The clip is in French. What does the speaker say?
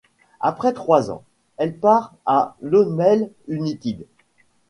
Après trois ans, elle part à Lommel United.